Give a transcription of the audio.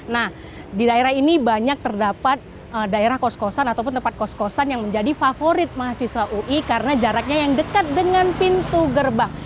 nah di daerah ini banyak terdapat daerah kos kosan ataupun tempat kos kosan yang menjadi favorit mahasiswa ui karena jaraknya yang dekat dengan pintu gerbang